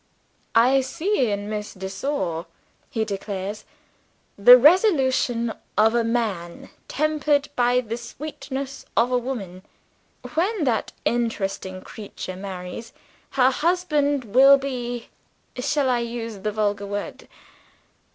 "I see in Miss de Sor," he declares, "the resolution of a man, tempered by the sweetness of a woman. When that interesting creature marries, her husband will be shall I use the vulgar word?